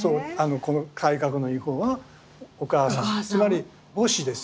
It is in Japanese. この体格のいい方はお母さんつまり母子ですよね。